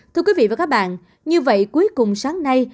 thưa quý vị và các bạn như vậy cuối cùng sáng nay